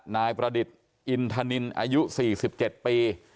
นายประดิษฐ์อินทนินอายุ๔๗ปี